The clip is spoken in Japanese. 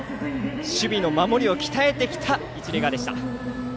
守備の守りを鍛えてきた一塁側でした。